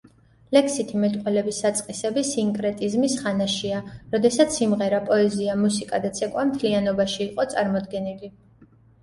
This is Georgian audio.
ლექსითი მეტყველების საწყისები სინკრეტიზმის ხანაშია, როდესაც სიმღერა, პოეზია, მუსიკა და ცეკვა მთლიანობაში იყო წარმოდგენილი.